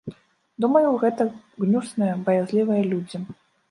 Думаю, гэта гнюсныя, баязлівыя людзі.